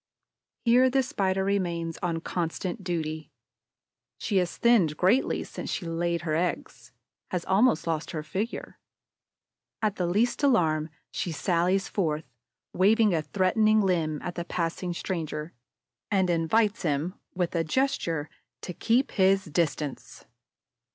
Here the Spider remains on constant duty. She has thinned greatly since she laid her eggs, has almost lost her figure. At the least alarm, she sallies forth, waves a threatening limb at the passing stranger and invites him, with a gesture, to keep his distance.